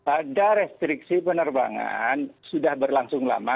ada restriksi penerbangan sudah berlangsung lama